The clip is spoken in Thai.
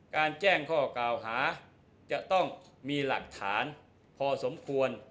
แจ้งข้อกล่าวหาจะต้องมีหลักฐานพอสมควร